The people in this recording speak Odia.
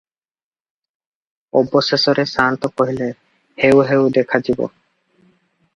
ଅବଶେଷରେ ସାଆନ୍ତ କହିଲେ, "ହେଉ ହେଉଦେଖାଯିବ ।